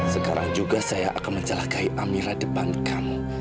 sekarang juga saya akan menjelakai amirah depan kamu